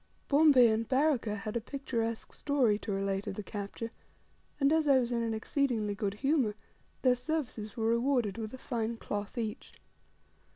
Bombay and Baraka had a picturesque story to relate of the capture; and, as I was in an exceedingly good humour, their services were rewarded with a fine cloth each.